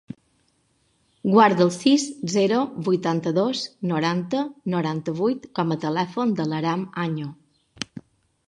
Guarda el sis, zero, vuitanta-dos, noranta, noranta-vuit com a telèfon de l'Aram Año.